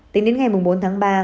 tính đến ngày bốn tháng ba